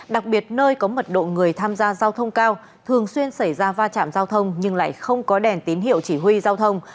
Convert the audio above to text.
đặc biệt nơi có mật độ người tham gia giao thông cao thường xuyên xảy ra va chạm giao thông nhưng lại không có đèn tín hiệu chỉ huy giao thông